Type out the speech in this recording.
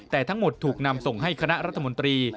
แต่ทั้งหมดถูกนำส่งให้คณะรัฐมนตรี